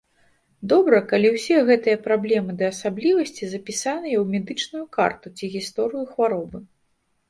Добра, калі ўсе гэтыя праблемы ды асаблівасці запісаныя ў медычную карту ці гісторыю хваробы.